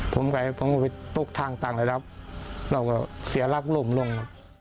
ผมก็ไปตกทางต่างแล้วเราก็เสียรักล่มลง